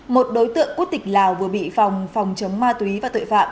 một đối tượng quốc tịch lào vừa bị phòng phòng chống ma túy và tội phạm